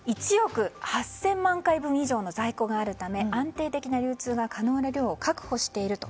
１億８０００万回分以上の在庫があるため安定的な流通が可能な量を確保していると。